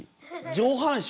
上半身？